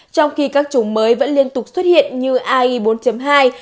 trong khi các chủng mới vẫn liên tục xuất hiện như ai bốn hai